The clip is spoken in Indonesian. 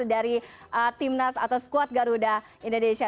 dari timnas atau squad garuda indonesia